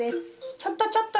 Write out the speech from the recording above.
ちょっとちょっと！